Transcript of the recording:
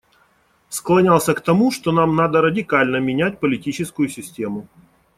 Склонялся к тому, что нам надо радикально менять политическую систему.